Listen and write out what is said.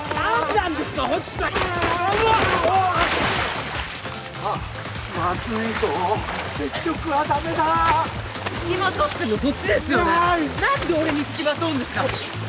なんで俺に付きまとうんですか！？